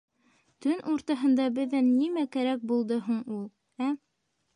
Төн уртаһында беҙҙән нимә кәрәк булды һуң ул, ә?